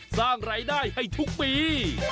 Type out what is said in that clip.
สร้างรายได้ให้ทุกปี